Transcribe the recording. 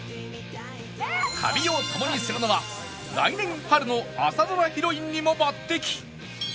旅を共にするのは来年春の朝ドラヒロインにも抜擢